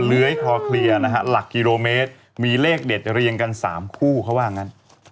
เลื้อยคลอเคลียร์นะฮะหลักกิโลเมตรมีเลขเด็ดเรียงกัน๓คู่เขาว่างั้น